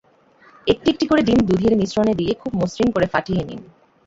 একটি একটি করে ডিম দুধের মিশ্রণে দিয়ে খুব মসৃণ করে ফাটিয়ে নিন।